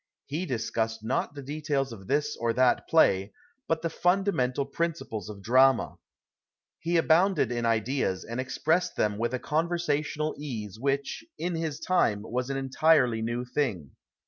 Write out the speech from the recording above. He discussed not the details of this or that play, but the funda mental principles of drama. lie abounded in ideas, and expressed them witli a con\ersational ease which, in his time, was an entirely new thing.